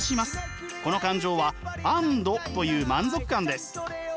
この感情は安堵という満足感です。